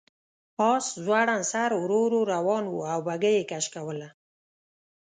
آس ځوړند سر ورو ورو روان و او بګۍ یې کش کوله.